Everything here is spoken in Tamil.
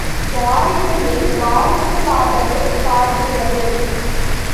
வாழ்க்கையை வாழ்க்கையாகவே பார்க்கிறது.